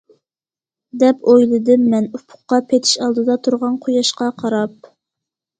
دەپ ئويلىدىم مەن، ئۇپۇققا پېتىش ئالدىدا تۇرغان قۇياشقا قاراپ.